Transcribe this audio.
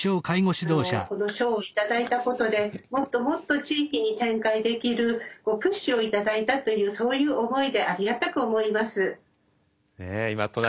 この賞を頂いたことでもっともっと地域に展開できるプッシュを頂いたというそういう思いでありがたく思います。